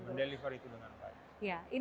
menyampaikan dengan baik